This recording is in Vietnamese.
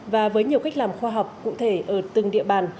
và với nhiều cách làm khoa học cụ thể ở từng địa bàn